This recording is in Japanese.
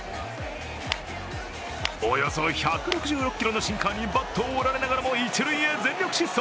およそ１６６キロのシンカーにバットを折られながらも一塁へ全力疾走。